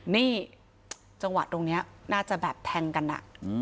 นี่จังหวะตรงนี้น่าจะแบบแทงกันอะ